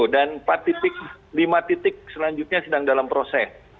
dan lima titik selanjutnya sedang dalam proses